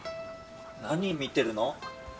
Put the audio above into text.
何見てるの？